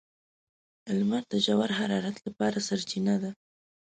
• لمر د ژور حرارت لپاره سرچینه ده.